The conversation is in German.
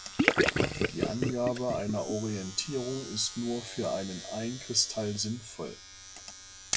Die Angabe einer Orientierung ist nur für einen Einkristall sinnvoll.